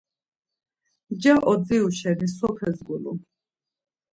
Nca odziru şeni sopes gulun?